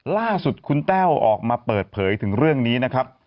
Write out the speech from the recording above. ล่าสุดคุณแต้วออกมาเปิดเผยถึงเรื่องนี้นะครับ